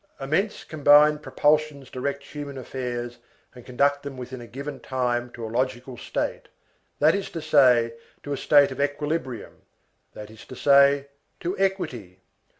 Immense combined propulsions direct human affairs and conduct them within a given time to a logical state, that is to say, to a state of equilibrium; that is to say, to equity.